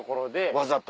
わざと。